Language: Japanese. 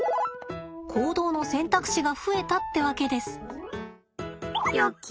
行動の選択肢が増えたってわけです。